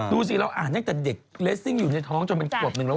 ดูสิเราอ่านตั้งแต่เด็กเลสซิ่งอยู่ในท้องจนเป็นขวบหนึ่งแล้ว